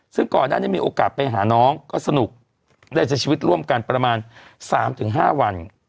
ซึ่งก่อนหน้านี้มีโอกาสไปหาน้องก็สนุกได้ใช้ชีวิตร่วมกันประมาณ๓๕วัน